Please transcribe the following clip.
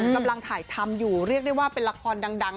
กำลังถ่ายทำอยู่เรียกได้ว่าเป็นละครดัง